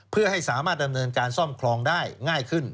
เพื่อให้สามารถดำเนินการซ่อมครองได้ง่ายขึ้น